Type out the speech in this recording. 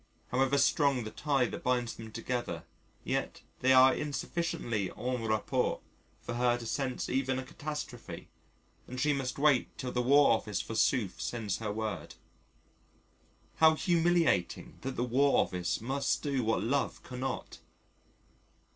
However strong the tie that binds them together yet they are insufficiently en rapport for her to sense even a catastrophe and she must wait till the War Office forsooth sends her word. How humiliating that the War Office must do what Love cannot.